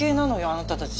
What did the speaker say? あなたたち。